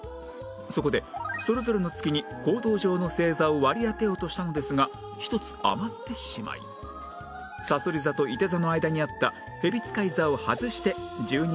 そこでそれぞれの月に黄道上の星座を割り当てようとしたのですが１つ余ってしまいさそり座といて座の間にあったへびつかい座を外して１２